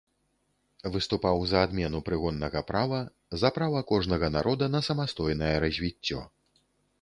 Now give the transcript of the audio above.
Выступаў за адмену прыгоннага права, за права кожнага народа на самастойнае развіццё.